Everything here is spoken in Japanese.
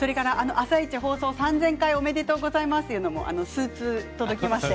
「あさイチ」放送３０００回おめでとうございますというのも数通届きました。